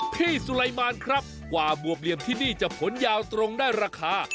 สุไลมารครับกว่าบวบเหลี่ยมที่นี่จะผลยาวตรงได้ราคา